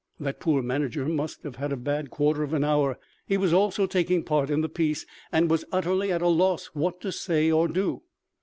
That poor manager must have had a bad quarter of an hour. He was also taking part in the piece, and was utterly at a loss what to say or do.